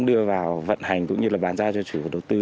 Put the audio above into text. đưa vào vận hành cũng như là bàn giao cho chủ đầu tư